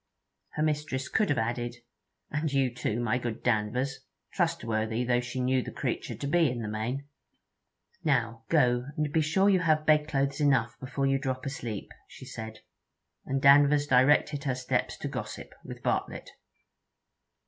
Her mistress could have added, 'And you too, my good Danvers!' trustworthy though she knew the creature to be in the main. 'Now go, and be sure you have bedclothes enough before you drop asleep,' she said; and Danvers directed her steps to gossip with Bartlett.